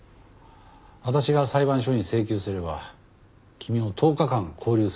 私が裁判所に請求すれば君を１０日間勾留する事ができる。